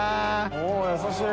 おっ優しい。